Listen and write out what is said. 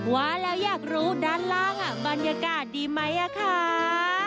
ว่าแล้วอยากรู้ด้านล่างบรรยากาศดีไหมคะ